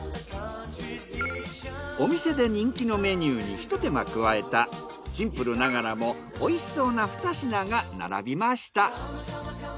お店で人気のメニューにひと手間加えたシンプルながらも美味しそうな２品が並びました。